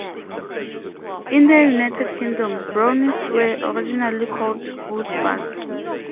In the United Kingdom, Brownies were originally called Rosebuds.